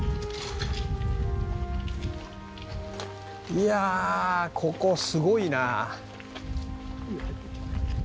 いやあここすごいな。